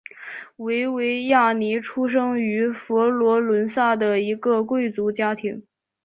维维亚尼出生于佛罗伦萨的一个贵族家庭。